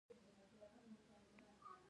د زغر دانه د څه لپاره وکاروم؟